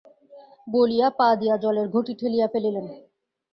বলিয়া পা দিয়া জলের ঘটি ঠেলিয়া ফেলিলেন।